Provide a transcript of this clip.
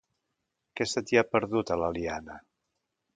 Què se t'hi ha perdut, a l'Eliana?